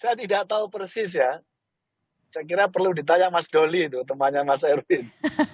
saya tidak tahu persis ya saya kira perlu ditanya mas doli itu temannya mas erwin